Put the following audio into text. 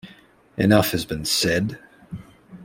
Enough has been said.